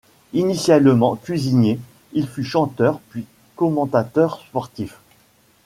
Initialement cuisinier, il fut chanteur puis commentateur sportif.